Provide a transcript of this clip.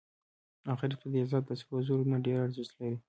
غریب ته عزت د سرو زرو نه ډېر ارزښت لري